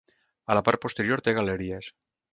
A la part posterior té galeries.